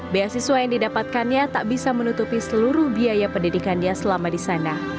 beasiswa yang didapatkannya tak bisa menutupi seluruh biaya pendidikannya selama di sana